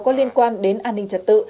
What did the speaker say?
có liên quan đến an ninh trật tự